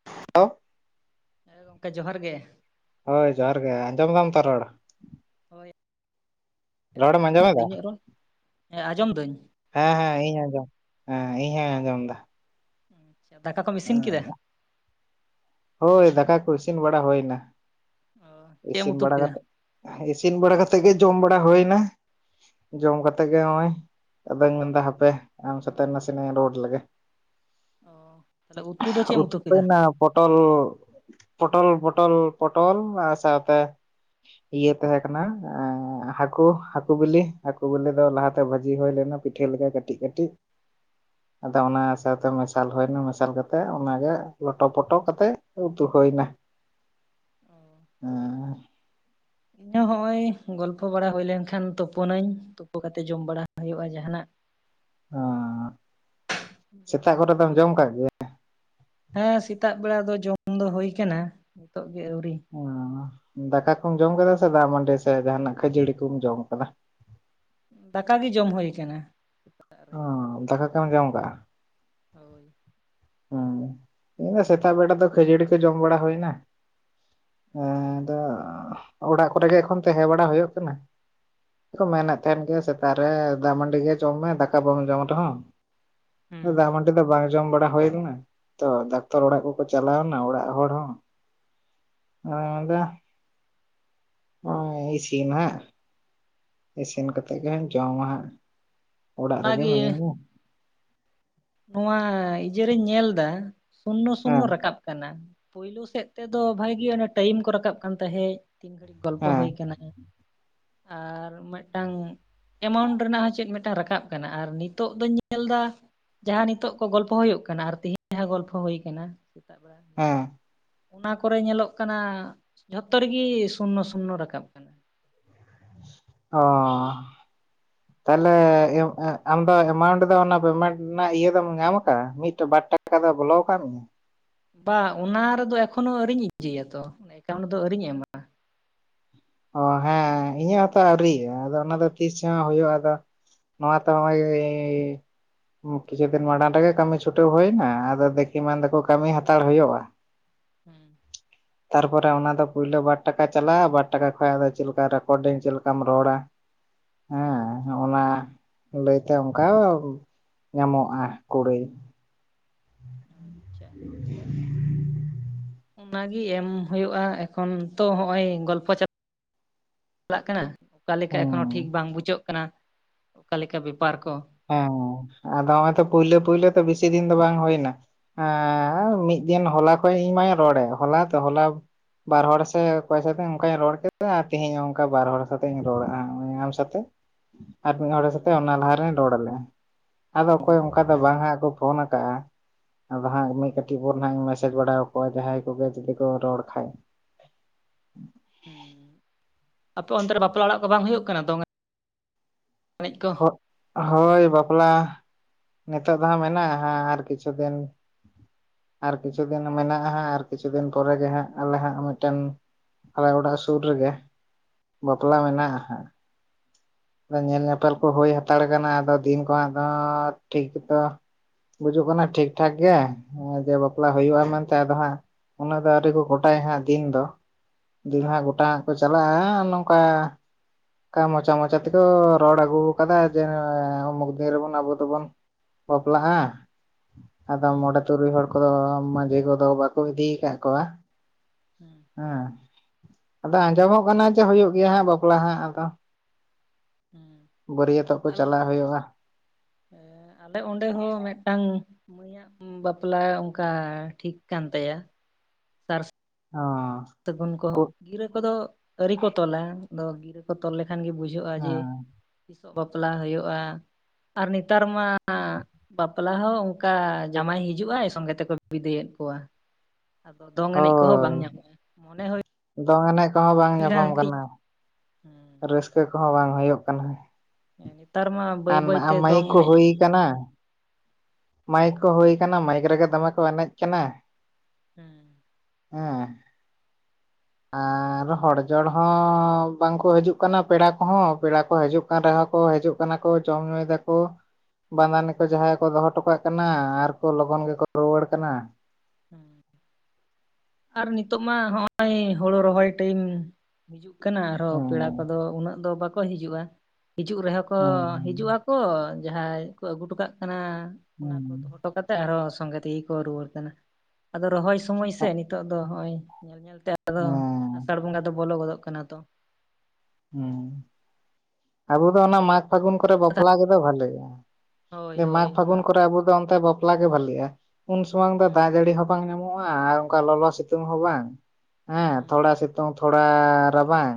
[unintelligible] ᱦᱮᱸ ᱜᱚᱝᱠᱮ ᱡᱚᱦᱟᱨ ᱜᱮ᱾ ᱦᱳᱭ ᱡᱚᱦᱟᱨ ᱜᱮ, ᱟᱸᱡᱚᱢ ᱫᱟᱢ ᱛᱚ ᱨᱚᱲ? ᱦᱳᱭ ᱨᱚᱲᱮᱢ ᱟᱸᱡᱚᱢᱚᱜ ᱠᱟᱱᱟ ᱛᱚ ᱟᱸᱡᱚᱢᱮᱫᱟ ᱤᱧᱟᱹᱜ ᱨᱚᱲ? ᱦᱮᱸ ᱟᱸᱡᱚᱢ ᱫᱟᱹᱧ᱾ ᱦᱮᱸ ᱦᱮᱸ ᱤᱧ ᱟᱸᱡᱚᱢ ᱦᱮᱸ ᱤᱧᱦᱚᱧ ᱟᱸᱡᱚᱢ ᱫᱟ᱾ ᱟᱪᱪᱷᱟ ᱫᱟᱠᱟ ᱠᱚᱢ ᱤᱥᱤᱱ ᱠᱮᱫᱟ? ᱦᱳᱭ ᱫᱟᱠᱟ ᱠᱚ ᱤᱥᱤᱱ ᱵᱟᱲᱟ ᱦᱳᱭᱱᱟ᱾ ᱚ ᱪᱮᱫ ᱮᱢ ᱤᱥᱤᱱ ᱩᱛᱩ ᱵᱟᱲᱟ ᱠᱮᱫᱟ ᱠᱟᱛᱮ ᱤᱥᱤᱱ ᱵᱟᱲᱟ ᱠᱟᱛᱮᱫ ᱜᱮ ᱡᱚᱢ ᱵᱟᱲᱟ ᱦᱳᱭᱱᱟ᱾ ᱡᱚᱢ ᱠᱟᱛᱮ ᱜᱮ ᱦᱚᱜ-ᱚᱭ ᱟᱫᱚᱧ ᱢᱮᱱᱫᱟ ᱦᱟᱯᱮ ᱟᱢ ᱥᱟᱛᱮ ᱱᱟᱥᱮᱱᱟᱜ ᱨᱳᱲ ᱞᱮᱜᱮ᱾ ᱚ ᱛᱟᱦᱚᱞᱮ ᱩᱛᱩ ᱫᱚ ᱪᱮᱫ ᱮᱢ ᱩᱛᱩ [unintelligible] ᱠᱮᱫᱟ ᱯᱚᱴᱚᱞ ᱯᱚᱴᱚᱞ ᱯᱚᱴᱚᱞ ᱯᱚᱴᱚᱞ ᱟᱨ ᱥᱟᱶᱛᱮ ᱤᱭᱟᱹ ᱛᱟᱦᱮᱸ ᱠᱟᱱᱟ ᱦᱟᱹᱠᱩ ᱦᱟᱹᱠᱩ ᱵᱤᱞᱤ ᱦᱟᱹᱠᱩ ᱵᱤᱞᱤ ᱫᱚ ᱞᱟᱦᱟᱛᱮ ᱵᱷᱟᱹᱡᱤ ᱦᱩᱭ ᱞᱮᱱᱟ᱾ ᱯᱤᱴᱷᱟᱹ ᱞᱮᱠᱟ ᱠᱟᱹᱴᱤᱡ ᱠᱟᱹᱴᱤᱡ [inaudible] ᱟᱫᱚ ᱚᱱᱟ ᱥᱟᱶᱛᱮ ᱢᱮᱥᱟᱞ ᱦᱩᱭ ᱱᱟ ᱢᱮᱥᱟᱞ ᱠᱟᱛᱮ ᱚᱱᱟᱜᱮ ᱞᱚᱴᱚ ᱯᱚᱴᱚ ᱠᱟᱛᱮ ᱩᱛᱩ ᱦᱩᱭ ᱮᱱᱟ᱾ ᱚ ᱦᱮᱸ ᱤᱧ ᱦᱚᱸ ᱦᱚᱜᱼᱚᱭ ᱜᱚᱞᱯᱷᱚ ᱵᱟᱲᱟ ᱦᱩᱭ ᱞᱮᱱ ᱠᱷᱟᱱ ᱛᱩᱯᱳᱱᱟᱹᱧ ᱛᱩᱯᱩ ᱠᱟᱛᱮ ᱡᱚᱢ ᱵᱟᱲᱟ ᱦᱩᱭᱩᱜᱼᱟ ᱡᱟᱦᱟᱱᱟᱜ᱾ [inaudible] ᱚᱸᱻ ᱡᱚᱢ ᱥᱮᱛᱟᱜ ᱵᱟᱲᱟ ᱠᱚᱨᱮ ᱠᱟᱛᱮ ᱫᱚᱢ ᱡᱚᱢ ᱠᱟᱜ ᱜᱮ ᱦᱮᱸ ᱥᱮᱛᱟᱜ ᱵᱮᱲᱟ ᱫᱚ ᱡᱚᱢ ᱫᱚ ᱦᱳᱭ ᱠᱟᱱᱟ, ᱱᱤᱛᱚᱜ ᱜᱮ ᱟᱹᱣᱨᱤ᱾ ᱟᱸ ᱫᱟᱠᱟ ᱠᱩᱢ ᱡᱚᱢ ᱠᱟᱫᱟ ᱥᱮ ᱫᱟᱜ ᱢᱟᱹᱰᱤ ᱥᱮ ᱡᱟᱦᱟᱱᱟᱜ ᱠᱷᱟᱹᱡᱟᱹᱲᱤ ᱠᱚᱢ ᱡᱚᱢ ᱠᱟᱫᱟ? ᱫᱟᱠᱟ ᱜᱮ ᱡᱚᱢ ᱦᱩᱭ ᱠᱟᱱᱟ᱾ ᱥᱮᱛᱟᱜ ᱨᱮ ᱚᱸ ᱫᱟᱠᱟ ᱠᱮᱢ ᱡᱚᱢ ᱠᱟᱜ-ᱟ᱾ ᱦᱳᱭ ᱦᱮᱸ, ᱤᱧ ᱫᱚ ᱥᱮᱛᱟᱜ ᱵᱮᱲᱟ ᱫᱚ ᱠᱷᱟᱹᱡᱟᱹᱲᱤ ᱠᱚ ᱡᱚᱢ ᱵᱟᱲᱟ ᱦᱩᱭᱱᱟ᱾ ᱚ ᱟᱫᱚ ᱚᱲᱟᱜ ᱠᱚᱨᱮ ᱜᱮ ᱮᱠᱷᱚᱱ ᱛᱟᱦᱮᱸ ᱵᱟᱲᱟ ᱦᱩᱭᱩᱜ ᱠᱟᱱᱟ ᱾ ᱠᱚ ᱢᱮᱱᱮᱫ ᱛᱟᱦᱮᱱ ᱜᱮ ᱥᱮᱛᱟᱜ ᱨᱮ ᱫᱟᱜ ᱢᱟᱹᱰᱤ ᱜᱮ ᱡᱚᱢ ᱢᱮ ᱫᱟᱠᱟ ᱵᱟᱢ ᱡᱚᱢ ᱨᱮᱦᱚᱸ ᱦᱩᱸ ᱫᱟᱜ ᱢᱟᱹᱰᱤ ᱫᱚ ᱵᱟᱝ ᱡᱚᱢ ᱵᱟᱲᱟ ᱦᱳᱭ ᱛᱚ ᱰᱟᱠᱛᱟᱨ ᱚᱲᱟᱜ ᱠᱚᱠᱚ ᱪᱟᱞᱟᱣ ᱱᱟ ᱚᱲᱟᱜ ᱦᱚᱲ ᱦᱚᱸ ᱚᱪᱚ ᱱᱚᱜ-ᱚᱭ ᱤᱥᱤᱱ ᱦᱟᱸᱜ ᱤᱥᱤᱱ ᱠᱟᱛᱮ ᱜᱮ ᱦᱟᱸᱜ ᱡᱚᱢᱟ ᱦᱟᱸᱜ ᱚᱲᱟᱜ ᱨᱮᱜᱮ ᱚᱱᱟᱜᱮ ᱢᱤᱱᱟᱹᱧᱟ ᱱᱚᱣᱟ ᱤᱭᱟᱹ ᱨᱮᱧ ᱧᱮᱞ ᱫᱟ ᱥᱩᱱᱱᱚ ᱥᱩᱱᱱᱚ ᱦᱮᱸ ᱨᱟᱠᱟᱵ ᱠᱟᱱᱟ ᱯᱩᱭᱭᱞᱩ ᱥᱮᱫ ᱛᱮᱫᱚ ᱵᱷᱟᱜᱤ ᱚᱱᱮ ᱴᱟᱭᱤᱢ ᱠᱚ ᱨᱟᱠᱟᱵ ᱠᱟᱱ ᱛᱟᱦᱮᱸᱡ ᱛᱤᱱ ᱜᱷᱟᱹᱲᱤᱡ ᱜᱚᱞᱯᱚ ᱦᱮᱸ ᱦᱩᱭ ᱟᱠᱟᱱᱟ ᱟᱨ ᱢᱮᱫᱴᱟᱝ ᱮᱢᱟᱣᱩᱱᱴ ᱨᱮᱱᱟᱜ ᱦᱚᱸ ᱪᱮᱫ ᱢᱤᱫᱴᱟᱝ ᱨᱟᱠᱟᱵ ᱠᱟᱱᱟ ᱟᱨ ᱱᱤᱛᱚᱜ ᱫᱚᱧ ᱧᱮᱞ ᱫᱟ ᱡᱟᱦᱟᱸ ᱱᱤᱛᱚᱜ ᱠᱚ ᱜᱚᱞᱯᱚ ᱦᱳᱭᱳᱜ ᱠᱟᱱᱟ᱾ ᱟᱨ ᱛᱤᱦᱤᱧ ᱡᱟᱦᱟᱸ ᱜᱚᱞᱯᱚ ᱦᱳᱭ ᱟᱠᱟᱱᱟ ᱾ ᱥᱮᱛᱟᱜ ᱵᱮᱲᱟ ᱡᱟᱦᱟᱸ ᱦᱮᱸ ᱚᱱᱟ ᱠᱚᱨᱮ ᱧᱮᱞᱚᱜ ᱠᱟᱱᱟ ᱡᱷᱚᱛᱚ ᱨᱮᱜᱮ ᱥᱩᱱᱱᱚ ᱥᱩᱱᱱᱚ ᱨᱟᱠᱟᱵ ᱠᱟᱱᱟ᱾ ᱚᱻ [inaudible] ᱛᱟᱦᱚᱞᱮ ᱟᱢ ᱫᱚ ᱮᱢᱟᱣᱩᱱᱴ ᱫᱚ᱾ ᱚᱱᱟ ᱯᱮᱢᱮᱱᱴ ᱨᱮᱱᱟᱜ ᱤᱭᱟᱹ ᱫᱚᱢ ᱧᱟᱢ ᱟᱠᱟᱜᱼᱟ ᱢᱤᱫ ᱵᱟᱨ ᱴᱟᱠᱟ ᱴᱟᱠᱟ ᱫᱚ ᱵᱚᱞ ᱠᱟᱜ ᱢᱮᱭᱟ᱾ ᱵᱟ ᱚᱱᱟ ᱨᱮᱫᱚ ᱮᱠᱷᱚᱱᱚ ᱟᱹᱣᱨᱤᱧ ᱤᱭᱟᱹᱭ ᱟᱛᱚ, ᱮᱠᱟᱣᱩᱱᱴ ᱫᱚ ᱟᱹᱣᱨᱤᱧ ᱮᱢᱼᱟ᱾ ᱚ ᱦᱮᱸ ᱤᱧᱟᱹᱜ ᱦᱚᱸᱛᱚ ᱟᱹᱣᱨᱤ᱾ ᱟᱫᱚ ᱚᱱᱟ ᱫᱚ ᱛᱤᱥ ᱦᱚᱸ ᱦᱳᱭᱳᱜᱼᱟ ᱟᱫᱚ ᱱᱚᱣᱟ ᱛᱚ ᱱᱚᱜᱼᱚᱭ [inaudible] ᱠᱤᱪᱷᱩ ᱫᱤᱱ ᱢᱟᱲᱟᱝ ᱨᱮᱜᱮ ᱠᱟᱹᱢᱤ ᱪᱷᱩᱴᱟᱹ ᱦᱳᱭ ᱮᱱᱟ ᱾ ᱟᱫᱚ ᱫᱮᱠᱤ ᱢᱮᱱ ᱫᱟᱠᱚ ᱠᱟᱹᱢᱤ ᱦᱟᱛᱟᱲ ᱦᱳᱭᱳᱜᱼᱟ᱾ ᱦᱩᱸ ᱛᱟᱨᱯᱚᱨᱮ ᱚᱱᱟ ᱫᱚ ᱯᱩᱭᱞᱳ ᱵᱟᱨ ᱴᱟᱠᱟ ᱪᱟᱞᱟᱜᱼᱟ ᱾ ᱵᱟᱨ ᱴᱟᱠᱟ [inaudible] ᱴᱟᱠᱟ ᱠᱷᱚᱡ ᱟᱫᱚ ᱫᱚ ᱪᱮᱫ ᱞᱮᱠᱟ ᱨᱮᱠᱚᱨᱰᱤᱝ ᱪᱮᱫ ᱞᱮᱠᱟᱢ ᱨᱚᱲᱟ᱾ ᱦᱮᱸ ᱚᱱᱟ ᱞᱟᱹᱭ ᱛᱮ ᱚᱱᱠᱟ ᱧᱟᱢᱚᱜᱼᱟ ᱠᱩᱲᱟᱹᱭ ᱟᱪᱪᱷᱟ [inaudible] ᱚᱱᱟᱜᱤ ᱮᱢ ᱦᱳᱭᱳᱜᱼᱟ ᱾ ᱮᱠᱷᱚᱱ ᱛᱚ ᱦᱚᱜᱼᱚᱭ ᱜᱚᱞᱯᱚ [unintelligible] ᱪᱟᱞᱟᱜ ᱠᱟᱱᱟ᱾ ᱚᱠᱟ ᱞᱮᱠᱟ ᱦᱮᱸ ᱮᱠᱷᱚᱱᱳ ᱴᱷᱤᱠ ᱵᱟᱝ ᱵᱩᱡᱟᱹᱜ ᱠᱟᱱᱟ᱾ ᱚᱠᱟ ᱞᱮᱠᱟ ᱵᱮᱯᱟᱨ ᱠᱚ᱾ ᱦᱮᱸ ᱟᱫᱚ ᱦᱚᱜᱼᱚᱭ ᱛᱚ ᱯᱳᱭᱞᱳ ᱯᱳᱭᱞᱳ ᱛᱚ ᱵᱮᱥᱤ ᱫᱤᱱ ᱫᱚ ᱵᱟᱝ ᱦᱳᱭᱱᱟ᱾ ᱮᱸ ᱢᱤᱫ ᱫᱤᱱ ᱦᱚᱞᱟ ᱠᱷᱚᱱ ᱤᱧ ᱢᱟᱧ ᱨᱚᱲᱮᱫ, ᱦᱚᱞᱟ ᱫᱚ ᱦᱚᱞᱟ ᱵᱟᱨ ᱦᱚᱲ ᱥᱮ ᱚᱠᱚᱭ ᱥᱟᱛᱮ ᱚᱱᱠᱟᱧ ᱨᱚᱲ ᱠᱮᱫᱟ᱾ ᱟᱨ ᱛᱮᱦᱮᱧ ᱦᱚᱸ ᱚᱱᱠᱟ ᱵᱟᱨ ᱦᱚᱲ ᱥᱟᱛᱮ ᱤᱧ ᱨᱚᱲᱟ ᱦᱚᱜᱼᱚᱭ ᱟᱢ ᱥᱟᱛᱮ ᱟᱨ ᱢᱤᱫ ᱦᱚᱲ ᱦᱩᱸ ᱥᱟᱛᱮ ᱚᱱᱟ ᱞᱟᱦᱟᱨᱮᱧ ᱨᱚᱲ ᱞᱮᱜᱼᱟ᱾ ᱟᱫᱚ ᱚ ᱚᱠᱚᱭ ᱚᱱᱠᱟ ᱫᱚ ᱵᱟᱝ ᱦᱟᱸᱜ ᱠᱚ ᱯᱷᱳᱱ ᱟᱠᱟᱜᱼᱟ᱾ ᱟᱫᱚ ᱦᱟᱸᱜ ᱢᱤᱫ ᱠᱟᱹᱴᱤᱡ ᱯᱚᱨ ᱠᱷᱟᱸᱜ ᱤᱧ ᱢᱮᱥᱮᱡ ᱵᱟᱲᱟ ᱟᱠᱚᱣᱟ ᱡᱟᱦᱟᱸᱭ ᱠᱚᱜᱮ ᱡᱩᱫᱤ ᱠᱚ ᱨᱚᱲ ᱠᱷᱟᱡ᱾ ᱦᱩᱸ, ᱟᱯᱮ ᱚᱱᱛᱮ ᱨᱮ ᱵᱟᱯᱞᱟ ᱚᱲᱟᱜ ᱠᱚ ᱵᱟᱝ ᱦᱳᱭᱳᱜ ᱠᱟᱱᱟ ᱾ ᱫᱚᱝ ᱮᱱᱮᱡᱽ ᱠᱚ ᱦᱳᱭ ᱵᱟᱯᱞᱟ ᱱᱤᱛᱳ ᱫᱚ ᱦᱟᱸ ᱢᱮᱱᱟᱜᱼᱟ ᱦᱟᱸᱜ ᱟᱨ ᱠᱤᱪᱷᱩ ᱫᱤᱱ ᱟᱨ ᱠᱤᱪᱷᱩ ᱫᱤᱱ ᱢᱮᱱᱟᱜᱼᱟ ᱦᱟᱸᱜ ᱟᱨ ᱠᱤᱪᱷᱩ ᱫᱤᱱ ᱯᱚᱨᱮ ᱜᱮ ᱦᱟᱸᱜ ᱟᱞᱮ ᱦᱟᱸᱜ ᱢᱤᱫᱴᱮᱱ ᱟᱞᱮ ᱚᱲᱟᱜ ᱥᱩᱨ ᱨᱮᱜᱮ, ᱵᱟᱯᱞᱟ ᱢᱮᱱᱟᱜᱼᱟ ᱦᱟᱸᱜ᱾ ᱧᱮᱞ ᱧᱮᱯᱮᱞ ᱠᱚ ᱦᱳᱭ ᱦᱟᱛᱟᱲ ᱠᱟᱱᱟ᱾ ᱟᱫᱚ ᱫᱤᱱ ᱠᱚᱫᱚ ᱴᱷᱤᱠ ᱜᱮᱛᱚ ᱵᱩᱡᱩᱜ ᱠᱟᱱᱟ ᱴᱷᱤᱠ ᱴᱷᱟᱠ ᱜᱮ᱾ ᱡᱮ ᱵᱟᱯᱞᱟ ᱦᱳᱭᱳᱜᱼᱟ ᱢᱮᱱᱛᱮ ᱟᱫᱚ ᱦᱟᱸᱜ ᱩᱱᱟᱹᱜ ᱫᱚ ᱟᱹᱣᱨᱤ ᱠᱚ ᱜᱚᱴᱟᱭᱟ ᱦᱟᱸᱜ ᱫᱤᱱ ᱫᱚ᱾ ᱫᱤᱱ ᱦᱟᱸᱜ ᱜᱚᱴᱟ ᱦᱟᱸᱜ ᱠᱚ ᱪᱟᱞᱟᱜᱼᱟ ᱱᱚᱝᱠᱟ ᱚᱱᱠᱟ ᱢᱚᱪᱟ ᱢᱚᱪᱟ ᱛᱮᱠᱚ ᱨᱚᱲ ᱟᱹᱜᱩ ᱟᱠᱟᱫᱟ ᱡᱮ, ᱩᱢᱩᱠ ᱫᱤᱱ ᱨᱮᱵᱚᱱ ᱟᱵᱚ ᱫᱚᱵᱚᱱ ᱵᱟᱯᱞᱟ ᱟᱜ ᱟᱫᱚ ᱦᱩᱸ ᱢᱚᱬᱮ, ᱛᱩᱨᱩᱭ ᱦᱚᱲ ᱠᱚᱫᱚ ᱢᱟᱹᱡᱷᱤ ᱠᱚᱫᱚ ᱵᱟᱠᱚ ᱤᱫᱤ ᱠᱟᱜ ᱠᱚᱣᱟ᱾ ᱦᱩᱸ ᱦᱮᱸ, ᱟᱫᱚ ᱟᱸᱡᱚᱢᱚᱜ ᱠᱟᱱᱟ ᱡᱮ ᱦᱳᱭᱳᱜ ᱜᱮᱭᱟ ᱦᱟᱸᱜ ᱵᱟᱯᱞᱟ ᱦᱟᱸᱜ ᱟᱫᱚ᱾ ᱦᱩᱸ ᱵᱟᱹᱨᱭᱟᱹᱛᱚᱜ ᱠᱚ ᱪᱟᱞᱟᱣ ᱦᱳᱭᱳᱜᱼᱟ᱾ ᱮᱸᱜ ᱟᱞᱮ ᱚᱸᱰᱮ ᱦᱚᱸ ᱢᱮᱫᱴᱟᱝ ᱢᱟᱹᱭᱼᱟᱜ ᱵᱟᱯᱞᱟ ᱚᱱᱠᱟ ᱴᱷᱤᱠ ᱠᱟᱱ ᱛᱟᱭᱟ᱾ ᱥᱟᱨ - ᱚ ᱥᱟᱹᱜᱩᱱ ᱠᱚ ᱜᱤᱨᱟᱹ ᱠᱚᱫᱚ ᱟᱹᱣᱨᱤ ᱠᱚ ᱛᱚᱞᱟ ᱾ ᱟᱫᱚ ᱜᱤᱨᱟᱹ ᱠᱚ ᱛᱚᱞ ᱞᱮᱠᱷᱟᱱ ᱜᱮ ᱵᱩᱡᱷ ᱵᱩᱡᱷᱟᱹᱜᱼᱟ ᱡᱮ, ᱦᱮᱸ ᱛᱤᱥ ᱚᱜ ᱵᱟᱯᱞᱟ ᱦᱳᱭᱳᱜᱼᱟ᱾ ᱟᱨ ᱱᱮᱛᱟᱨ ᱢᱟ ᱵᱟᱯᱞᱟ ᱦᱚᱸ ᱚᱱᱠᱟ ᱡᱟᱹᱢᱟᱭ ᱦᱤᱡᱩᱜᱼᱟᱭ ᱥᱚᱸᱜᱮ ᱛᱮᱠᱚ ᱵᱤᱫᱟᱹᱭ ᱮᱫ ᱠᱚᱣᱟ᱾ ᱟᱫᱚ ᱫᱚᱝ ᱮᱱᱮᱡᱽ ᱠᱚᱦᱚᱸ ᱵᱟᱝ ᱦᱳᱭ ᱧᱟᱢᱚᱜᱼᱟ᱾ ᱢᱚᱱᱮ ᱦᱳᱭᱳᱜ ᱫᱚᱝ ᱮᱱᱮᱡ ᱠᱚᱦᱚᱸ ᱵᱟᱝ ᱧᱟᱯᱟᱢ ᱠᱟᱱᱟ᱾ ᱦᱮᱸ ᱨᱟᱹᱥᱠᱟᱹ ᱠᱚᱦᱚᱸ ᱵᱟᱝ ᱦᱳᱭᱳᱜ ᱠᱟᱱᱟ᱾ ᱱᱮᱛᱟᱨ ᱢᱟ ᱵᱟᱹᱭ ᱟᱨ ᱵᱟᱹᱭᱛᱮ ᱫᱚᱝ ᱢᱟᱹᱭᱤᱠ ᱠᱚ ᱮᱱᱮᱡ ᱦᱩᱭ ᱠᱟᱱᱟ‌‌ ᱾ ᱢᱟᱭᱤᱠ ᱦᱳᱭ ᱠᱚ ᱦᱩᱭ ᱠᱟᱱᱟ ᱢᱟᱭᱤᱠ ᱨᱮᱜᱮ ᱫᱚᱢᱮ ᱠᱚ ᱮᱱᱮᱡ ᱠᱟᱱᱟ ᱾ ᱦᱮᱸ ᱦᱮᱸ [unintelligible] ᱟᱨ ᱦᱚᱲ ᱡᱚᱲ ᱦᱚᱸ ᱵᱟᱝᱠᱚ ᱦᱤᱡᱩᱜ ᱠᱟᱱᱟ ᱯᱮᱲᱟ ᱠᱚᱦᱚᱸ ᱯᱮᱲᱟ ᱠᱚ ᱦᱤᱡᱩᱜ ᱠᱟᱱᱟ, ᱨᱮᱦᱚᱸ ᱠᱚ ᱦᱤᱡᱩᱜ ᱠᱟᱱᱟ ᱠᱚ ᱡᱚᱢ ᱧᱩᱭ ᱫᱟᱠᱚ ᱵᱟᱸᱫᱟᱱᱤ ᱠᱚ ᱡᱟᱦᱟᱸᱭ ᱠᱚ ᱫᱚᱦᱚ, ᱦᱚᱴᱚ ᱠᱟᱜ ᱠᱟᱱᱟ ᱟᱨ ᱠᱚ ᱞᱚᱜᱚᱱ ᱜᱮᱠᱚ ᱨᱩᱣᱟᱹᱲ ᱠᱟᱱᱟ ᱾ ᱟᱨ ᱱᱤᱛᱚᱜ ᱢᱟ ᱦᱚᱸᱜᱼᱚᱭ ᱦᱳᱲᱩ ᱨᱚᱦᱚᱭ ᱴᱟᱭᱤᱢ ᱾ ᱦᱤᱡᱩᱜ ᱠᱟᱱᱟ ᱟᱨᱦᱚᱸ ᱯᱮᱲᱟ ᱦᱩᱸ ᱠᱚᱫᱚ ᱩᱱᱟᱹᱜ ᱫᱚ ᱵᱟᱠᱚ ᱦᱤᱡᱩᱜᱼᱟ ᱾ ᱦᱤᱡᱩᱜ ᱨᱮᱦᱚᱸ ᱠᱚ ᱦᱩᱸ ᱦᱤᱡᱩᱜᱼᱟ, ᱠᱚ ᱡᱟᱦᱟᱸᱭ ᱠᱚ ᱟᱹᱜᱩ ᱦᱚᱴᱚ ᱠᱟᱜ ᱠᱟᱱᱟ ᱚᱱᱟ ᱦᱩᱸ ᱠᱚ ᱫᱚᱦᱚ ᱦᱚᱴᱚ ᱠᱟ ᱠᱟᱛᱮ ᱟᱨᱚ ᱥᱚᱸᱜᱮ ᱛᱮᱜᱮ ᱠᱚ ᱨᱩᱣᱟᱹᱲ ᱠᱟᱱᱟ ᱟᱫᱚ ᱨᱚᱦᱚᱭ ᱥᱚᱢᱚᱭ ᱥᱮ ᱱᱤᱛᱚᱜ ᱫᱚ ᱱᱚᱜ ᱚᱭ ᱧᱮᱞ ᱧᱮᱞᱛᱮ, ᱟᱫᱚ ᱦᱩᱸ ᱟᱥᱟᱲ ᱵᱚᱸᱜᱟ ᱫᱚ ᱵᱚᱞᱚ ᱜᱚᱫᱚᱜ ᱠᱟᱱᱟ ᱛᱚ ᱾ ᱦᱮᱸ ᱟᱵᱚ ᱫᱚ ᱚᱱᱟ ᱢᱟᱜᱽ ᱯᱷᱟᱹᱜᱩᱱ ᱠᱚᱨᱮ ᱵᱟᱯᱞᱟ ᱜᱮᱚ ᱵᱷᱟᱹᱞᱮᱭᱟ ᱾ ᱦᱳᱭ ᱡᱮ ᱢᱟᱜᱽ ᱦᱳᱭ ᱯᱷᱟᱹᱜᱩᱱ ᱢᱟ ᱠᱚᱨᱮ ᱟᱵᱚ ᱫᱚ ᱚᱱᱛᱮ ᱵᱟᱯᱞᱟ, ᱵᱟᱯᱞᱟᱜ ᱜᱮ ᱵᱷᱟᱞᱤᱜᱼᱟ ᱩᱱ ᱥᱚᱢᱟᱝ ᱫᱚ ᱫᱟᱜ ᱦᱩᱸ ᱡᱟᱹᱲᱤ ᱦᱚᱸ ᱵᱟᱝ ᱧᱟᱢᱚᱜᱼᱟ ᱟᱨ ᱚᱱᱠᱟ ᱞᱚᱞᱚ ᱥᱤᱛᱩᱝ ᱦᱚᱸ ᱵᱟᱝ ᱦᱮ ᱦᱩᱸ ᱛᱷᱚᱲᱟ ᱥᱤᱛᱩᱝ ᱾ ᱥᱤᱛᱚᱝ ᱛᱷᱚᱲᱟ ᱨᱟᱵᱟᱝ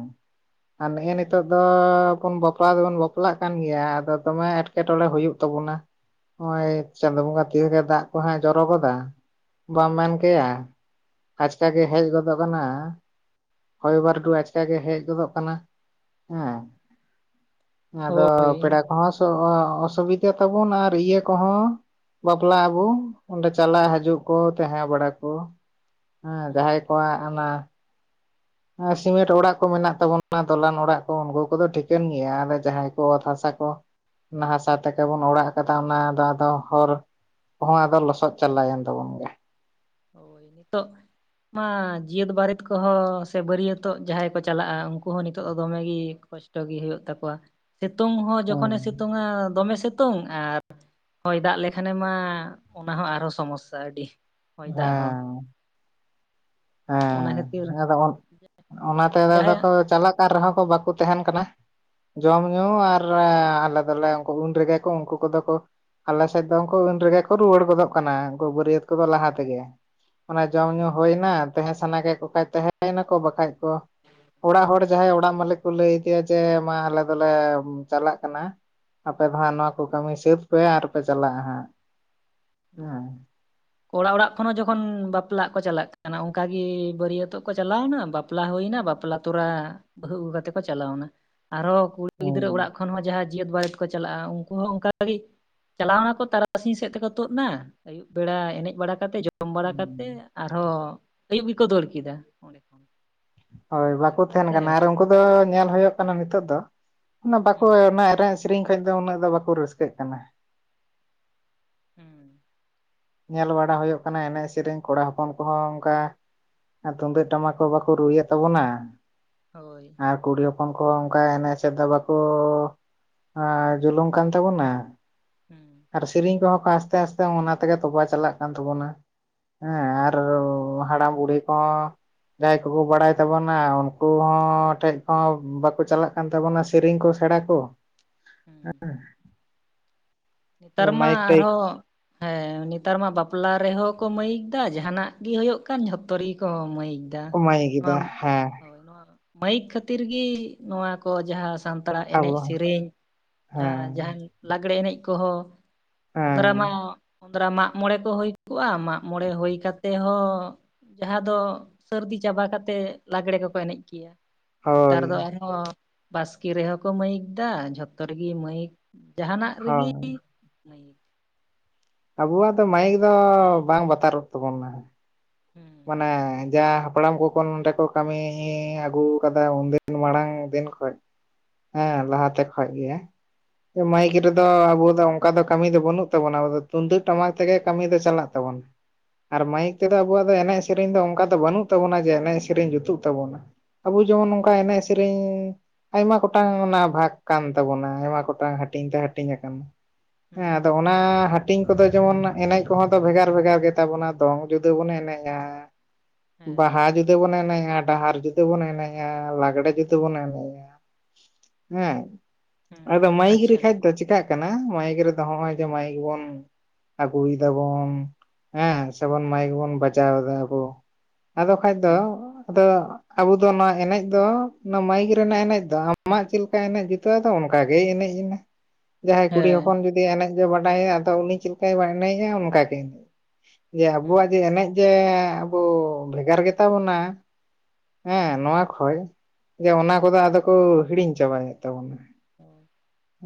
ᱟᱨ ᱱᱮᱜᱼᱮ ᱱᱤᱛᱳ ᱦᱩᱸ ᱫᱚ ᱻ ᱵᱚᱱ ᱵᱟᱯᱞᱟ ᱫᱚᱵᱚᱱ ᱵᱟᱯᱞᱟᱜ ᱠᱟᱱ ᱜᱮᱭᱟ ᱟᱫᱚ ᱫᱚᱢᱮ ᱮᱴᱠᱮᱴᱚᱬᱮ ᱦᱩᱭᱩᱜ ᱛᱟᱵᱚᱱᱟ ᱾ ᱱᱚᱜᱚᱭ ᱪᱟᱸᱫᱳ ᱵᱚᱸᱜᱟ ᱛᱤᱭᱮ ᱫᱟᱜ ᱠᱚᱦ ᱡᱚᱨᱚ ᱜᱚᱫᱟ ᱵᱟᱢ ᱢᱮᱱ ᱠᱮᱭᱟ ᱾ ᱟᱪᱠᱟ ᱜᱮ ᱦᱮᱡ ᱜᱚᱫᱚᱜ ᱠᱟᱱᱟ ᱾ ᱦᱚᱭ ᱵᱟᱹᱨᱰᱩ ᱟᱪᱠᱟ ᱜᱮ ᱦᱮᱡ ᱜᱚᱫᱚᱜ ᱠᱟᱱᱟ ᱦᱮᱸ ᱾ ᱟᱫᱚ ᱦᱳᱭ ᱯᱮᱲᱟ ᱠᱚᱦᱚᱸ ᱚᱥᱩᱵᱤᱫᱟ ᱛᱟᱵᱚᱱ ᱟᱨ ᱤᱭᱟᱹ ᱠᱚᱦᱚᱸ, ᱵᱟᱯᱞᱟ ᱟᱵᱚ ᱚᱸᱰᱮ ᱪᱟᱞᱟᱜ ᱦᱤᱡᱩᱜ ᱠᱚ ᱛᱟᱦᱮᱸ ᱵᱟᱲᱟ ᱠᱚ ᱾ ᱦᱮᱸ ᱡᱟᱦᱟᱸᱭ ᱦᱩᱸ ᱠᱚᱣᱟᱜ ᱚᱱᱟᱻ ᱟᱨ ᱥᱤᱢᱮᱱᱴ ᱚᱲᱟᱜ ᱠᱚ ᱢᱮᱱᱟᱜ ᱛᱟᱵᱚᱱᱟ ᱫᱚᱞᱟᱱ ᱚᱲᱟᱜ ᱠᱚ ᱩᱱᱠᱩ ᱠᱚᱫᱚ ᱴᱷᱤᱠᱟᱹᱱ ᱜᱮᱭᱟ ᱟᱨ ᱡᱟᱦᱟᱸᱭ ᱠᱚ ᱚᱛ ᱦᱟᱥᱟ ᱠᱚᱻ ᱦᱟᱥᱟ ᱛᱮᱜᱮ ᱵᱚᱱ ᱚᱲᱟᱜ ᱠᱟᱫᱟ ᱚᱱᱟ ᱫᱚ ᱟᱫᱚ ᱦᱚᱨᱻ ᱦᱚᱸ ᱟᱫᱚ ᱞᱚᱥᱚᱫ ᱪᱟᱞᱟᱭᱮᱱ ᱛᱟᱵᱚᱱ ᱜᱮ ᱾ ᱛᱚ ᱢᱟ ᱡᱟᱹᱛ ᱵᱟᱹᱨᱮᱛ ᱠᱚᱦᱚᱸ ᱥᱮ ᱵᱟᱹᱨᱭᱟᱹᱛᱚᱜ ᱡᱟᱦᱟᱸᱭ ᱠᱚ ᱪᱟᱞᱟᱜᱼᱟ ᱩᱱᱠᱩ ᱦᱚᱸ ᱱᱤᱛᱚᱜ ᱫᱚ ᱫᱚᱢᱮᱜ ᱜᱮ ᱠᱚᱥᱴᱚᱜᱻ ᱴᱚ ᱜᱮ ᱦᱩᱭᱩᱜ ᱛᱟᱠᱚᱣᱟ ᱾ ᱥᱤᱛᱩᱝ ᱦᱚᱸ ᱡᱚᱠᱷᱚᱱᱮ ᱦᱮᱸ ᱥᱤᱛᱩᱝᱟ ᱫᱚᱢᱮ ᱥᱤᱛᱩᱝ ᱟᱨ, ᱦᱳᱭ ᱫᱟᱜ ᱞᱮᱠᱷᱟᱱᱮ ᱢᱟ ᱚᱱᱟ ᱦᱚᱸ ᱟᱨᱦᱚᱸ ᱥᱚᱢᱚᱥᱥᱟ ᱟᱹᱰᱤ ᱾ ᱦᱮᱸ ᱚᱱᱟ ᱠᱷᱟᱹᱛᱤᱨ ᱦᱮᱸ ᱟᱫᱚ ᱚᱱᱟᱛᱮ ᱟ ᱡᱟᱦᱟᱸᱭᱟᱜ ᱠᱚ ᱪᱟᱞᱟᱜᱻ ᱠᱟᱱ ᱨᱮᱦᱚᱸ ᱠᱚ ᱵᱟᱠᱚ ᱛᱟᱦᱮᱱ ᱠᱟᱱᱟ ᱾ ᱡᱚᱢ ᱧᱩ ᱟᱨ ᱟᱞᱮ ᱫᱚᱞᱮ ᱩᱱ ᱩᱱ ᱨᱮᱜᱮ ᱠᱚ ᱩᱱᱠᱩ ᱠᱚᱫᱚ ᱠᱚ, ᱟᱞᱮᱥᱮᱫ ᱫᱚ ᱩᱱᱠᱩ ᱩᱱ ᱨᱮᱜᱮ ᱠᱚ ᱨᱩᱣᱟᱹᱲ ᱜᱚᱫᱚᱜ ᱠᱟᱱᱟ, ᱩᱱᱠᱩ ᱵᱟᱹᱨᱭᱟᱹᱛ ᱠᱚᱫᱚ ᱞᱟᱦᱟ ᱛᱮᱜᱮ ᱾ ᱚᱱᱟ ᱡᱚᱢ ᱦᱩᱸ ᱧᱩ ᱦᱩᱭᱱᱟ ᱛᱟᱦᱮᱸ ᱥᱟᱱᱟ ᱠᱮᱫ ᱠᱚ ᱠᱷᱟᱱᱡ ᱛᱟᱦᱮᱸ ᱭᱮᱱᱟᱠᱚ ᱵᱟᱠᱷᱟᱡ ᱠᱚ ᱚᱲᱟᱜ ᱦᱚᱲᱻ ᱡᱟᱦᱟᱸᱭ ᱚᱲᱟᱜ ᱢᱟᱹᱞᱤᱠ ᱠᱚ ᱞᱟᱹᱭ ᱟᱫᱮᱭᱟ ᱡᱮ ᱢᱟ ᱟᱞᱮ ᱫᱚᱞᱮ ᱪᱟᱞᱟᱜ ᱠᱟᱱᱟ ᱾ ᱟᱯᱮ ᱫᱚ ᱦᱟᱸᱜ ᱱᱚᱣᱟ ᱠᱚ ᱦᱳᱭ ᱠᱟᱹᱢᱤ ᱥᱟᱹᱛ ᱯᱮ ᱟᱨ ᱯᱮ ᱪᱟᱞᱟᱜᱼᱟ ᱦᱟᱸᱜ ᱦᱩᱸ ᱦᱮᱸ ᱾ ᱠᱚᱲᱟ ᱚᱲᱟᱜ ᱠᱷᱚᱱ ᱦᱚᱸ ᱡᱚᱠᱷᱚᱱ ᱵᱟᱯᱞᱟᱜ ᱠᱚ ᱪᱟᱞᱟᱜ ᱠᱟᱱᱟ, ᱚᱱᱠᱟᱜ ᱜᱮ ᱵᱟᱹᱨᱭᱟᱹᱛᱚᱜ ᱠᱚ ᱪᱟᱞᱟᱣᱱᱟ ᱵᱟᱯ ᱞᱟ ᱦᱩᱭ ᱵᱟᱯᱞᱟ ᱛᱚᱨᱟ ᱵᱟᱹᱦᱩ ᱟᱜᱩ ᱠᱟᱛᱮ ᱠᱚ ᱪᱟᱞᱟᱣᱱᱟ ᱟᱨᱦᱚ ᱠᱩᱲᱤ ᱦᱮᱸ ᱜᱤᱫᱽᱨᱟᱹ ᱚᱲᱟᱜ ᱠᱚ ᱦᱚᱸ ᱡᱟᱦᱟᱸ ᱡᱤᱭᱟᱹᱛ ᱵᱟᱨᱮᱛ ᱠᱚ ᱪᱟᱞᱟᱜᱼᱟ ᱩᱱᱠᱩ ᱦᱚᱸ ᱚᱱᱠᱟᱜ ᱜᱮ ᱪᱟᱞᱟᱣᱱᱟ ᱠᱚ ᱛᱟᱨᱟᱥᱤᱧ ᱥᱮᱫ ᱛᱮᱠᱚ ᱛᱳᱫ ᱮᱱᱟ ᱟᱹᱭᱩᱵ ᱵᱮᱲᱟ ᱮᱱᱮᱡ ᱵᱟᱲᱟ ᱠᱟᱛᱮ ᱡᱚᱢ ᱵᱟᱲᱟ ᱠᱟᱛᱮ ᱦᱮᱸ ᱟᱨᱦᱚᱸ ᱟᱭᱩᱵ ᱜᱮᱠᱚ ᱫᱟᱹᱲ ᱠᱮᱫᱟ ᱾ ᱦᱳᱭ ᱵᱟᱠᱚ ᱛᱟᱦᱮᱱ ᱠᱟᱱᱟ ᱟᱨ ᱟᱨᱠᱤ ᱩᱱᱠᱩ ᱫᱚ ᱧᱮᱞ ᱦᱩᱭᱩᱜ ᱠᱟᱱᱟ ᱱᱤᱛᱚᱜ ᱫᱚ! ᱚᱱᱟ ᱵᱟᱠᱚ ᱦᱩᱸ ᱚᱱᱟ ᱮᱱᱮᱡ ᱥᱮᱨᱮᱧ ᱠᱷᱚᱱ ᱫᱚ ᱩᱱᱟᱹᱜ ᱫᱚ ᱵᱟᱠᱚ ᱨᱟᱹᱥᱠᱟᱹᱜ ᱠᱟᱱᱟ ᱾ ᱦᱮᱸ ᱧᱮᱞ ᱵᱟᱲᱟ ᱦᱩᱭᱩᱜ ᱠᱟᱱᱟ ᱮᱱᱮᱡ ᱥᱮᱨᱮᱧ ᱠᱚᱲᱟ ᱦᱚᱯᱚᱱ ᱠᱚᱦᱚᱸ ᱚᱱᱠᱟ ᱟᱨ ᱛᱩᱢᱫᱟᱹᱜ ᱴᱟᱢᱟᱠ ᱦᱚᱸ ᱵᱟᱠᱚ ᱨᱩᱭᱮᱫ ᱛᱟᱵᱚᱱᱟ᱾ ᱦᱳᱭ ᱟᱨ ᱠᱩᱲᱤ ᱦᱚᱯᱚᱱ ᱠᱚ ᱚᱱᱠᱟ ᱮᱱᱮᱡᱥᱮᱫ ᱵᱟᱠᱚ ᱡᱩᱞᱩᱢ ᱠᱟᱱ ᱛᱟᱵᱚᱱᱟ᱾ ᱦᱩᱸ ᱟᱨ ᱥᱮᱨᱮᱧ ᱠᱚᱦᱚᱸ ᱠᱚ ᱟᱥᱛᱮ ᱟᱥᱛᱮ ᱚᱱᱟ ᱛᱮᱜᱮ ᱛᱚᱵᱟ ᱪᱟᱞᱟᱜ ᱠᱟᱱ ᱛᱟᱵᱚᱱᱟ᱾ ᱦᱮᱸ ᱟᱨ ᱦᱟᱲᱟᱢ ᱵᱩᱲᱦᱤ ᱠᱚ ᱡᱟᱦᱟᱸᱭ ᱠᱚᱠᱚ ᱵᱟᱲᱟᱭ ᱛᱟᱵᱚᱱᱟ ᱩᱱᱠᱩ ᱦᱚᱸ ᱴᱷᱮᱡ ᱦᱚᱸ ᱵᱟᱠᱚ ᱪᱟᱞᱟᱜ ᱠᱟᱱ ᱛᱟᱵᱚᱱᱟ ᱥᱮᱨᱮᱧ ᱠᱚ ᱥᱮᱬᱟ ᱠᱚ ᱦᱩᱸ ᱦᱮᱸ ᱱᱮᱛᱟᱨ ᱢᱟ ᱟᱨᱦᱚᱸ ᱦᱮᱸ ᱱᱮᱛᱟᱨ ᱢᱟ ᱵᱟᱯᱞᱟ ᱨᱮᱦᱚᱸ ᱠᱚ ᱢᱟᱹᱭᱤᱠ ᱫᱟ ᱡᱟᱦᱟᱱᱟᱜ ᱜᱤ ᱦᱩᱭᱩᱜ ᱠᱟᱱ ᱡᱷᱚᱛᱚ ᱨᱮᱜᱮ ᱠᱚ ᱢᱟᱹᱭᱤᱠ ᱫᱟᱜ ᱠᱚ ᱢᱟᱭᱤᱠ ᱮᱫᱟ ᱦᱮᱸ ᱱᱚᱣᱟ ᱢᱟᱹᱭᱤᱠ ᱠᱷᱟᱹᱛᱤᱨ ᱜᱮ ᱱᱚᱣᱟ ᱠᱚ ᱡᱟᱦᱟᱸ ᱥᱟᱱᱛᱟᱲ ᱥᱟᱱᱛᱟᱲ ᱮᱱᱮᱡ ᱟᱵᱚ ᱥᱮᱨᱮᱧ ᱡᱟ ᱦᱮᱸ ᱡᱟᱦᱟᱱ ᱞᱟᱜᱽᱲᱮ ᱮᱱᱮᱡ ᱠᱚᱦᱚᱸ ᱚᱸᱫᱽᱨᱟ ᱦᱮᱸ ᱢᱟᱸᱨᱟ ᱢᱟᱜᱽ ᱢᱚᱬᱮ ᱠᱚ ᱦᱩᱭ ᱠᱚᱜᱼᱟ ᱢᱟᱜᱽ ᱢᱚᱲᱮ ᱦᱩᱭ ᱠᱟᱛᱮ ᱛᱮᱦᱚᱸ ᱡᱟᱦᱟᱸ ᱫᱚ ᱥᱟᱹᱨᱫᱤ ᱪᱟᱵᱟ ᱠᱟᱛᱮ ᱞᱟᱜᱽᱲᱮ ᱠᱚᱠᱚ ᱮᱱᱮᱡ ᱜᱮᱭᱟ ᱱᱮᱛᱟᱨ ᱫᱚ ᱦᱳᱭ ᱟᱨᱦᱚᱸ ᱵᱟᱥᱠᱮ ᱨᱮᱦᱚᱸ ᱠᱚ ᱢᱟᱹᱭᱤᱠ ᱫᱟ ᱡᱷᱚᱛᱚ ᱨᱮᱜᱮ ᱢᱟᱹᱭᱤᱠ ᱡᱟᱦᱟᱱᱟᱜ ᱨᱮᱜᱤ ᱦᱳᱭ ᱢᱟᱭᱤᱠ ᱟᱵᱚᱣᱟᱜ ᱫᱚ ᱢᱟᱭᱤᱠ ᱫᱚ ᱵᱟᱝ ᱵᱟᱛᱟᱨᱚᱜ ᱛᱟᱵᱚᱱᱟ ᱦᱩᱸ ᱢᱟᱱᱮ ᱡᱟᱦᱟ ᱦᱟᱯᱲᱟᱢ ᱠᱚᱠᱚ ᱱᱚᱰᱮ ᱠᱚ ᱠᱟᱹᱢᱤ ᱟᱹᱜᱩ ᱠᱟᱫᱟ ᱩᱱᱫᱤᱱ ᱢᱟᱲᱟᱝ ᱫᱤᱱ ᱠᱷᱚᱡ ᱦᱩᱸ ᱦᱮᱸ ᱞᱟᱦᱟᱛᱮ ᱠᱷᱚᱡ ᱜᱮ ᱢᱟᱹᱭᱤᱠ ᱨᱮᱫᱚ ᱟᱵᱚ ᱫᱚ ᱚᱱᱠᱟ ᱫᱚ ᱠᱟᱹᱢᱤ ᱫᱚ ᱵᱟᱹᱱᱩᱜ ᱛᱟᱵᱚᱱᱟ ᱟᱵᱚ ᱫᱚ ᱛᱩᱢᱫᱟᱹᱜ ᱴᱟᱢᱟᱠ ᱛᱮᱜᱮ ᱠᱟᱹᱢᱤ ᱫᱚ ᱪᱟᱞᱟᱜ ᱛᱟᱵᱚᱱ ᱟᱨ ᱢᱟᱭᱤᱠ ᱛᱮᱫᱚ ᱟᱵᱚᱣᱟᱜ ᱮᱱᱮᱡ ᱥᱮᱨᱮᱧ ᱫᱚ ᱚᱱᱠᱟ ᱫᱚ ᱵᱟᱹᱱᱩᱜ ᱛᱟᱵᱚᱱᱟ ᱡᱮ ᱮᱱᱮᱡ ᱥᱮᱨᱮᱧ ᱡᱩᱛᱩᱜ ᱛᱟᱵᱚᱱᱟ ᱟᱵᱚ ᱡᱮᱢᱚᱱ ᱦᱳᱭ ᱮᱱᱮᱡ ᱨᱤᱧ ᱟᱭᱢᱟ ᱜᱚᱴᱟᱝ ᱚᱱᱟ ᱵᱷᱟᱜᱽ ᱠᱟᱱ ᱛᱟᱵᱚᱱᱟ ᱟᱭᱢᱟ ᱜᱚᱴᱟᱝ ᱦᱟᱹᱴᱤᱧ ᱛᱮ ᱦᱟᱹᱴᱤᱧ ᱟᱠᱟᱱᱟ ᱦᱩᱸ ᱟᱫᱚ ᱚᱱᱟ ᱦᱟᱹᱴᱤᱧ ᱠᱚᱫᱚ ᱡᱮᱢᱚᱱ ᱮᱱᱮᱡ ᱠᱚᱦᱚᱸ ᱫᱚ ᱵᱷᱮᱜᱟᱨ ᱵᱷᱮᱜᱟᱨ ᱜᱮᱛᱟᱵᱚᱱᱟ ᱫᱚᱝ ᱡᱩᱫᱟᱹ ᱵᱚᱱ ᱮᱱᱮᱡ ᱦᱮᱸ ᱵᱟᱦᱟ ᱡᱩᱫᱤ ᱵᱚᱱ ᱮᱱᱮᱡᱼᱟ ᱰᱟᱦᱟᱨ ᱡᱩᱫᱤ ᱦᱩᱸ ᱵᱚᱱ ᱮᱱᱮᱡ ᱞᱟᱜᱽᱲᱮ ᱡᱩᱫᱤ ᱵᱚᱱ ᱮᱱᱮᱡᱼᱟ ᱦᱮᱸ ᱦᱩᱸ ᱟᱫᱚ ᱢᱟᱹᱭᱤᱠ ᱨᱮ ᱟᱪᱪᱷᱟ ᱠᱷᱟᱱ ᱛᱚ ᱪᱮᱠᱟᱜ ᱠᱟᱱᱟ ᱢᱟᱭᱤᱠ ᱨᱮᱫᱚ ᱱᱚᱜ ᱚᱚᱭ ᱡᱮ ᱢᱟᱭᱤᱠ ᱵᱚᱱ ᱟᱹᱜᱩᱭ ᱫᱟᱵᱚᱱ ᱦᱮᱸ ᱥᱮᱵᱚᱱ ᱢᱟᱭ ᱜᱮᱵᱚᱱ ᱵᱟ ᱡᱟᱣ ᱫᱟ ᱠᱚ ᱟᱫᱚ ᱠᱷᱟᱱ ᱫᱚ ᱦᱩᱸ ᱟᱫᱚ ᱟᱵᱚ ᱫᱚ ᱱᱚᱣᱟ ᱮᱱᱮᱡ ᱫᱚ ᱱᱚᱣᱟ ᱢᱟᱹᱭᱤᱠ ᱨᱮᱱᱟᱜ ᱮᱱᱮᱡ ᱫᱚ ᱟᱢᱟᱜ ᱪᱮᱫ ᱞᱮᱠᱟ ᱮᱱᱮᱡ ᱡᱩᱛᱩᱜᱼᱟᱹ ᱟᱫᱚ ᱚᱱᱠᱟᱜᱮ ᱮᱱᱮᱡ ᱮᱱᱟ [inaudible] ᱡᱟᱦᱟᱸᱭ ᱠᱩᱲᱤ ᱦᱮᱸ ᱦᱚᱯᱚᱱ ᱡᱩᱫᱤ ᱮᱱᱮᱡ ᱫᱚ ᱵᱟᱰᱟᱭᱟ ᱟᱫᱚ ᱩᱱᱤ ᱪᱮᱫ ᱞᱮᱠᱟᱭ ᱵᱟᱭ ᱮᱱᱮᱡᱟ ᱚᱱᱠᱟᱜᱮ ᱮᱱᱮᱡ ᱡᱮ ᱦᱩᱸ ᱟᱵᱚᱣᱟᱜ ᱡᱮ ᱮᱱᱮᱡ ᱡᱮ ᱟᱵᱚ ᱵᱷᱮᱜᱟᱨ ᱜᱮᱛᱟ ᱵᱚᱱᱟ ᱦᱮᱸ ᱱᱚᱣᱟ ᱠᱷᱚᱡ ᱡᱮ ᱚᱱᱟ ᱠᱚᱫᱚ ᱟᱫᱚ ᱠᱚ ᱦᱳᱭ ᱦᱤᱲᱤᱧ ᱪᱟᱵᱟᱭᱮᱫ ᱛᱟᱵᱚᱱᱟ᱾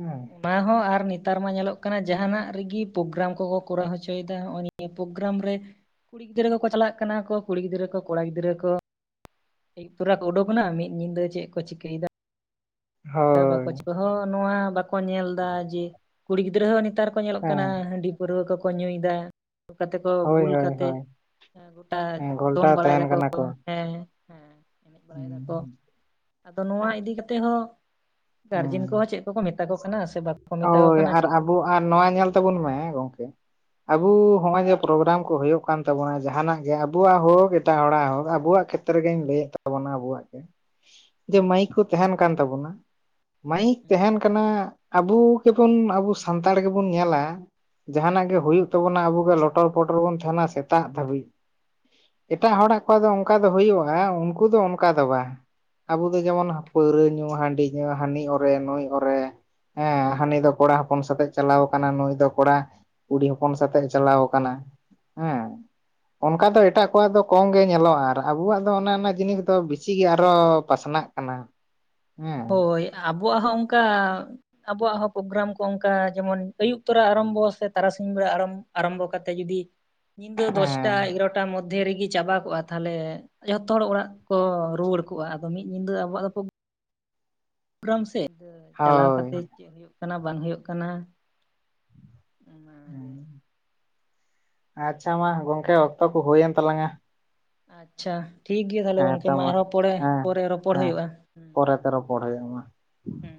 ᱦᱮᱸ ᱢᱟ ᱦᱚᱸ ᱟᱨ ᱱᱮᱛᱟᱨ ᱢᱟ ᱧᱮᱞᱚᱜ ᱠᱟᱱᱟ ᱡᱟᱦᱟᱱᱟᱜ ᱨᱮᱜᱮ ᱯᱨᱳᱜᱨᱟᱢ ᱠᱚᱠᱚ ᱠᱚᱨᱟᱣ ᱦᱚᱪᱚᱭᱮᱫᱟ ᱦᱚᱜᱼᱚᱭ ᱫᱟ ᱱᱤᱭᱟᱹ ᱯᱨᱳᱜᱨᱟᱢ ᱨᱮ ᱠᱩᱲᱤ ᱜᱤᱫᱽᱨᱟᱹ ᱠᱚᱠᱚ ᱪᱟᱞᱟᱜ ᱠᱟᱱᱟ ᱠᱚ ᱠᱩᱲᱤ ᱜᱤᱫᱽᱨᱟᱹ ᱠᱚ ᱠᱚᱲᱟ ᱜᱤᱫᱽᱨᱟᱹ ᱠᱚ ᱟᱹᱭᱩᱵ ᱛᱚᱨᱟ ᱠᱚ ᱩᱰᱩᱠ ᱮᱱᱟ ᱢᱤᱫ ᱧᱤᱫᱟᱹ ᱪᱮᱫ ᱠᱚ ᱪᱤᱠᱟᱹᱭᱮᱫᱟ ᱦᱳᱭ ᱵᱟᱠᱚ ᱪᱤᱠᱟᱹ ᱦᱚᱸ ᱱᱚᱣᱟ ᱵᱟᱠᱚ ᱧᱮᱞ ᱮᱫᱟ ᱡᱮ ᱠᱩᱲᱤ ᱜᱤᱫᱽᱨᱟᱹ ᱦᱚᱸ ᱱᱮᱛᱟᱨ ᱠᱚ ᱧᱮᱞᱚᱜ ᱠᱟᱱᱟ ᱦᱮᱸ ᱦᱟᱺᱰᱤ ᱯᱟᱹᱣᱨᱟᱹ ᱠᱚᱠᱚ ᱧᱩᱭᱫᱟ ᱚᱠᱟ ᱛᱮᱠᱚ ᱦᱳᱭ ᱵᱩᱞ ᱦᱳᱭ ᱠᱟᱛᱮ ᱦᱳᱭ ᱜᱚᱴᱟ ᱦᱮᱸ ᱫᱚᱱ ᱜᱷᱚᱞᱴᱟᱣ ᱵᱟᱲᱟᱭ ᱛᱟᱦᱮᱱ ᱫᱟᱠᱚ ᱠᱟᱱᱟ ᱠᱚ ᱦᱮᱸ ᱦᱮᱸ ᱮᱱᱮᱡ ᱵᱟᱲᱟᱭ ᱫᱟᱠᱚ ᱟᱫᱚ ᱱᱚᱣᱟ ᱤᱫᱤ ᱠᱟᱛᱮᱜ ᱦᱚᱸ ᱜᱟᱨᱡᱮᱱ ᱠᱚᱦᱚᱸ ᱪᱮᱫ ᱠᱚᱠᱚ ᱢᱮᱛᱟ ᱠᱚ ᱠᱟᱱᱟ ᱥᱮ ᱵᱟᱠᱚ ᱢᱮᱛᱟ ᱠᱚ ᱳᱭ ᱠᱟᱱᱟ ᱟᱨ ᱪᱤᱠᱟᱹᱢ ᱟᱵᱚ ᱟᱨ ᱵᱩᱡᱷᱟᱹᱣᱟ ᱱᱚᱣᱟ ᱧᱮᱞ ᱛᱟᱵᱚᱱ ᱢᱮ ᱜᱚᱝᱠᱮ ᱦᱩᱸ ᱟᱵᱚ ᱱᱚᱜᱼᱚᱭ ᱡᱮ ᱯᱨᱳᱜᱨᱟᱢ ᱠᱚ ᱦᱩᱭᱩᱜ ᱠᱟᱱ ᱛᱟᱵᱚᱱᱟ ᱡᱟᱦᱟᱱᱟᱜ ᱜᱮ ᱟᱵᱚᱣᱟᱜ ᱦᱳᱠ ᱮᱴᱟᱜ ᱦᱚᱲᱟᱜ ᱦᱳᱠ ᱟᱵᱚᱣᱟᱜ ᱠᱷᱮᱛᱨᱮᱜᱤᱧ ᱞᱟᱹᱭᱮᱫ ᱛᱟᱵᱚᱱᱟ ᱟᱵᱚᱣᱟᱜ ᱜᱮ᱾ [inaudible] ᱡᱮ ᱢᱟᱹᱭᱤᱠ ᱠᱚ ᱛᱟᱦᱮᱱ ᱠᱟᱱ ᱛᱟᱵᱚᱱᱟ ᱢᱟᱭᱤᱠ ᱦᱩᱸ ᱛᱟᱦᱮᱱ ᱠᱟᱱᱟ ᱟᱵᱩ ᱜᱮᱵᱚᱱ ᱟᱵᱩ ᱥᱟᱱᱛᱟᱲ ᱜᱮᱵᱩᱱ ᱧᱮᱞᱟ ᱡᱟᱦᱟᱱᱟᱜ ᱜᱮ ᱦᱩᱭᱩᱜ ᱛᱟᱵᱚᱱᱟ ᱟᱵᱚ ᱫᱚ ᱞᱚᱴᱚᱨ ᱯᱚᱴᱚᱨ ᱵᱚᱱ ᱛᱟᱦᱮᱱᱟ ᱥᱮᱛᱟᱜ ᱫᱷᱟᱹᱵᱤᱡ ᱮᱴᱟᱜ ᱦᱚᱲᱟᱜ ᱠᱚᱣᱟᱜ ᱫᱚ ᱚᱝᱠᱟ ᱫᱚ ᱦᱩᱭᱩᱜ-ᱟ ᱩᱱᱠᱩ ᱫᱚ ᱚᱱᱠᱟ ᱫᱚ ᱵᱟᱝ ᱟᱵᱚ ᱫᱚ ᱡᱮᱢᱚᱱ ᱯᱟᱹᱣᱨᱟᱹ ᱧᱩ ᱦᱟᱺᱰᱤ ᱧᱩ ᱦᱟᱹᱱᱤ ᱚᱨᱮ ᱱᱩᱭ ᱚᱨᱮ ᱦᱮᱸ ᱦᱩᱸ ᱦᱟᱹᱱᱤ ᱫᱚ ᱠᱚᱲᱟ ᱦᱚᱯᱚᱱ ᱥᱟᱛᱮᱜ ᱪᱟᱞᱟᱣ ᱟᱠᱟᱱᱟ ᱱᱩᱭ ᱫᱚ ᱠᱚᱲᱟ ᱠᱩᱲᱤ ᱦᱚᱯᱚᱱ ᱥᱟᱛᱮᱜ ᱮ ᱪᱟᱞᱟᱣ ᱟᱠᱟᱱᱟ᱾ ᱦᱮᱸ ᱚᱱᱠᱟ ᱫᱚ ᱮᱴᱟᱜ ᱠᱚᱣᱟᱜ ᱫᱚ ᱠᱚᱢ ᱜᱮ ᱧᱮᱞᱚᱜ-ᱟ ᱟᱨ ᱟᱵᱚᱣᱟᱜ ᱫᱚ ᱚᱱᱮ ᱚᱱᱟ ᱡᱤᱱᱤᱥ ᱫᱚ ᱵᱤᱥᱤᱜ ᱜᱮ ᱟᱨᱚ ᱯᱟᱥᱱᱟᱜ ᱠᱟᱱᱟ ᱦᱮᱸ ᱦᱳᱭ ᱟᱵᱚᱣᱟᱜ ᱦᱚᱸ ᱚᱝᱠᱟ ᱟᱵᱚᱣᱟᱜ ᱦᱚᱸ ᱯᱳᱜᱨᱟᱢ ᱠᱚ ᱚᱝᱠᱟ ᱡᱮᱢᱚᱱ ᱟᱹᱭᱩᱵ ᱛᱚᱨᱟ ᱟᱨᱟᱢᱵᱚ ᱟ ᱥᱮ ᱛᱟᱨᱟᱥᱤᱧ ᱵᱮᱲᱟ ᱟᱨᱟᱢ ᱟᱨᱟᱢᱵᱚ ᱠᱟᱛᱮ ᱡᱩᱫᱤ ᱧᱤᱫᱟᱹ ᱫᱚᱥᱴᱟ ᱦᱮᱸ ᱮᱜᱨᱚᱴᱟ ᱢᱚᱫᱽᱫᱷᱮ ᱨᱤᱜᱤ ᱪᱟᱵᱟ ᱠᱚᱜᱟ ᱛᱟᱦᱚᱞᱮ ᱡᱷᱚᱛᱚ ᱦᱚᱲ ᱚᱲᱟᱜ ᱠᱚ ᱨᱩᱣᱟᱹᱲ ᱠᱚᱜ-ᱟ ᱟᱫᱚ ᱢᱤᱫ ᱧᱤᱫᱟᱹ ᱟᱵᱚᱣᱟᱜ ᱫᱚ ᱯᱳᱜᱨᱟᱢ ᱥᱮ ᱪᱟᱞᱟᱣ ᱦᱳᱭ ᱠᱟᱛᱮ ᱪᱮᱫ ᱦᱩᱭᱩᱜ ᱠᱟᱱᱟ ᱵᱟᱝ ᱦᱩᱭᱩᱜ ᱠᱟᱱᱟ [unintelligible] ᱟᱪᱪᱷᱟ ᱢᱟ ᱜᱚᱝᱠᱮ ᱚᱠᱛᱚ ᱠᱚ ᱦᱩᱭᱮᱱ ᱛᱟᱞᱟᱝ-ᱟ ᱟᱪᱪᱷᱟ ᱴᱷᱤᱠ ᱜᱮᱭᱟ ᱛᱟᱦᱚᱞᱮ ᱦᱮᱸ ᱜᱚᱝᱠᱮ ᱛᱚ ᱢᱟ ᱟᱨᱦᱚᱸ ᱯᱚᱲᱮ ᱯᱚᱨᱮ ᱨᱚᱯᱚᱲ ᱦᱳᱭᱳᱜ-ᱟ᱾ ᱯᱚᱨᱮᱛᱮ ᱨᱚᱯᱚᱲ ᱦᱳᱭᱳᱜ-ᱟ ᱢᱟ᱾ ᱦᱩᱸ